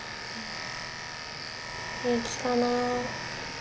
平気かな？